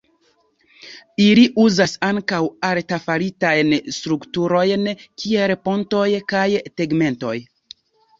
Ili uzas ankaŭ artefaritajn strukturojn kiel pontoj kaj tegmentoj.